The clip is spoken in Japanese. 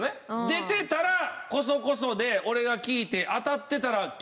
出てたらコソコソで俺が聞いて当たってたらキープです。